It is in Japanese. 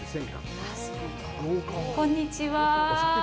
こんにちは。